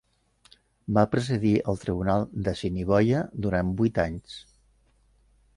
Va presidir el tribunal d'Assiniboia durant vuit anys.